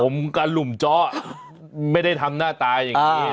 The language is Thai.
ผมกับหลุมเจาะไม่ได้ทำหน้าตาอย่างนี้